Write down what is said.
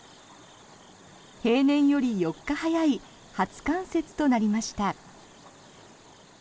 平年より４日早い初冠雪となりました。